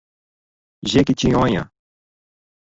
Jequitinhonha